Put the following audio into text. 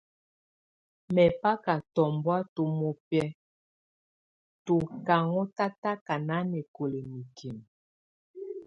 Mɛbaka tɔbɔŋtɔ̀ mɔbɛ̀á tù ka ɔn tataka nanɛkɔla mikimǝ.